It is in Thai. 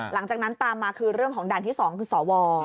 หลังจากนั้นตามมาคือเรื่องของด่านที่๒คือสว